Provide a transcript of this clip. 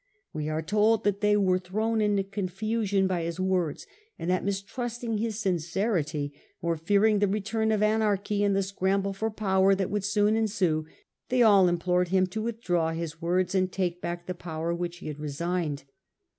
We are told that they were thrown into confusion by his words, and that, mistrust ing his sincerity, or fearing the return of anarchy and the scramble for power that would soon ensue, they all implored him to withdraw his words and take back the power which he had resigned.